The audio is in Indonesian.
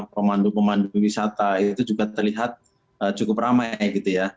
pemandu pemandu wisata itu juga terlihat cukup ramai gitu ya